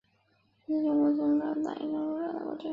金文秀曾经两度赢得世界锦标赛男子双打冠军。